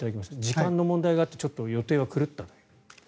時間の問題があって予定が狂ったと。